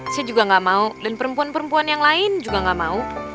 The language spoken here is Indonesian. saya juga gak mau dan perempuan perempuan yang lain juga nggak mau